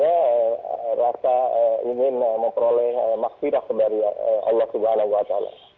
maksudnya mungkin memperoleh maksirah dari allah swt